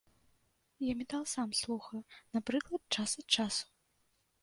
Я метал сам слухаю, напрыклад, час ад часу.